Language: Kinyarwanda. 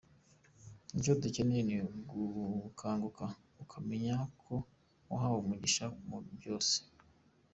Icyo ukeneye ni ugukanguka ukamenya ko wahawe umugisha muri byose.